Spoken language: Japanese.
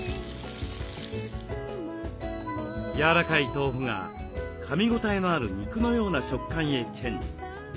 やわらかい豆腐がかみ応えのある肉のような食感へチェンジ。